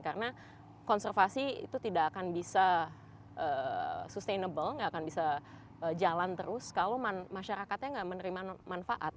karena konservasi itu tidak akan bisa sustainable nggak akan bisa jalan terus kalau masyarakatnya nggak menerima manfaat